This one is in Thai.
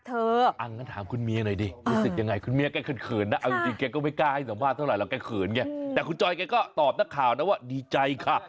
แต่เมื่อข่าวนะว่าดีใจค่ะ